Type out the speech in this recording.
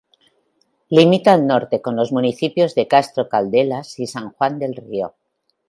Limita al norte con los municipios de Castro Caldelas y San Juan del Río.